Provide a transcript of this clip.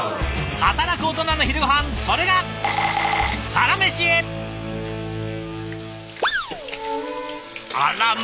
働くオトナの昼ごはんそれがあらま！